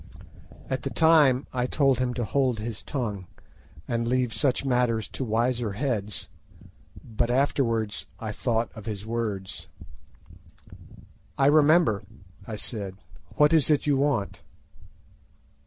At the time I told him to hold his tongue, and leave such matters to wiser heads; but afterwards I thought of his words. "I remember," I said; "what is it you want?"